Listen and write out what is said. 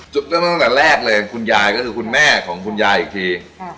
เริ่มตั้งแต่แรกเลยคุณยายก็คือคุณแม่ของคุณยายอีกที